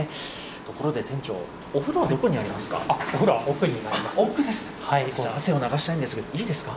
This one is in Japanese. ところで店長、お風呂はどこにありますか。